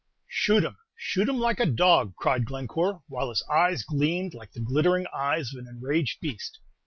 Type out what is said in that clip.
"Shoot him, shoot him like a dog!" cried Glencore, while his eyes gleamed like the glittering eyes of an enraged beast.